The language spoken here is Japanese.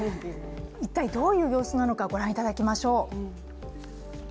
一体、どういう様子なのかご覧いただきましょう。